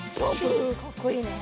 かっこいいね。